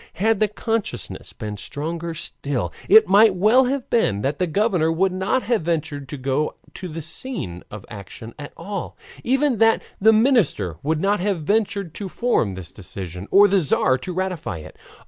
Had that consciousness been stronger still, it might well have been that the governor would not have ventured to go to the scene of action at all; even that the minister would not have ventured to form this decision or the Tzar to ratify it.